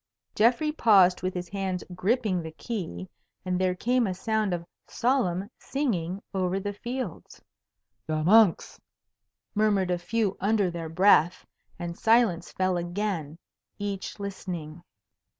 Geoffrey paused with his hand gripping the key, and there came a sound of solemn singing over the fields. "The monks!" murmured a few under their breath; and silence fell again, each listening.